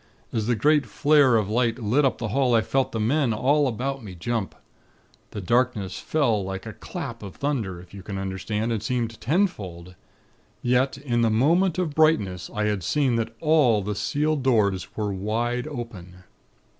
As the great flare of light lit up the hall I felt the men all about me jump. The darkness fell like a clap of thunder, if you can understand, and seemed tenfold. Yet, in the moment of brightness, I had seen that all the sealed doors were wide open.